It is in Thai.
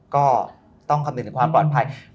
ก็ต้องคำนึงถึงความปลอดภัย